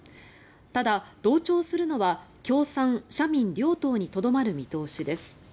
ただ、同調するのは共産、社民両党にとどまる見通しです。